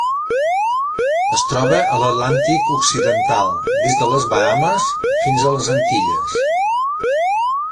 Es troba a l'Atlàntic occidental: des de les Bahames fins a les Antilles.